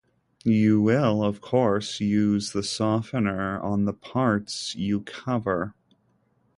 You will of course use the softener on the parts you cover.